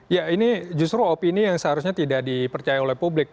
ya ini justru opini yang seharusnya tidak dipercaya oleh publik